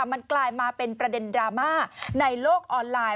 มันกลายมาเป็นประเด็นดราม่าในโลกออนไลน์